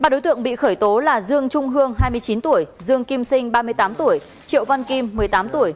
ba đối tượng bị khởi tố là dương trung hương hai mươi chín tuổi dương kim sinh ba mươi tám tuổi triệu văn kim một mươi tám tuổi